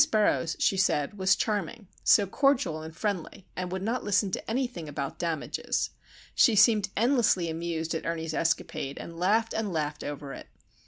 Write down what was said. Burroughs, she said, was charming,—so cordial and friendly, and would not listen to anything about "damages." She seemed endlessly amused at Ernie's escapade, and laughed and laughed over it.